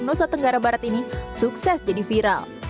nusa tenggara barat ini sukses jadi viral